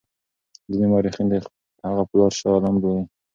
ځیني مورخین د هغه پلار شاه عالم بولي.